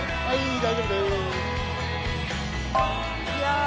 はい。